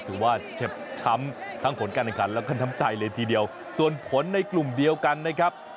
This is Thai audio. ว่าเจ็บช้ำทั้งผลการแข่งขันแล้วก็น้ำใจเลยทีเดียวส่วนผลในกลุ่มเดียวกันนะครับ